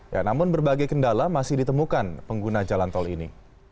ya namun berbagai kendala masih ditemukan pengguna jalan tol ini